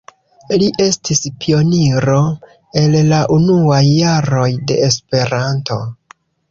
Li estis pioniro el la unuaj jaroj de Esperanto.